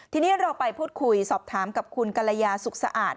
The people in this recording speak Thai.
ทีนี้เราไปพูดคุยสอบถามกับคุณกรยาสุขสะอาด